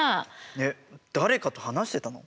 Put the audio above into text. えっ誰かと話してたの？